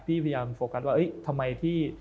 พี่พยายามโฟกัสว่าเอ๊ะทำไมพี่